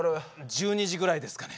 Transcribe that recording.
１２時ぐらいですかね。